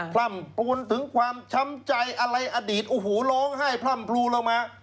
พร่ำปูนถึงความช้ำใจอะไรอดีตโอ้โหร้องไห้พร่ำพลูลงมา